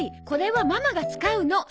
これはママが使うの。